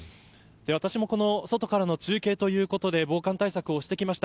私も外からの中継ということで防寒対策をしてきました。